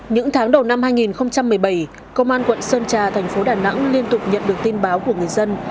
những tháng đầu năm hai nghìn một mươi bảy công an quận sơn trà thành phố đà nẵng liên tục nhận được tin báo của người dân